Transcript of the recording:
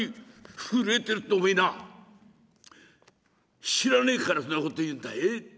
「震えてるっておめえな知らねえからそんなこと言えるんだええ。